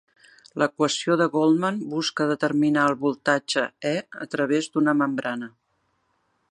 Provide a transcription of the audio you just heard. L'equació de Goldman busca determinar el voltatge "E" a través d'una membrana.